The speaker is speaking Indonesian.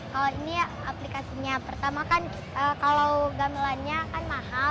kalau ini aplikasinya pertama kan kalau gamelannya kan mahal